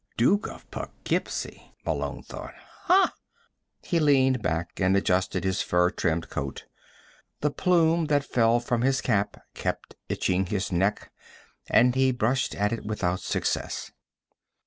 Duke of Poughkeepsie! Malone thought. Hah! He leaned back and adjusted his fur trimmed coat. The plume that fell from his cap kept tickling his neck, and he brushed at it without success.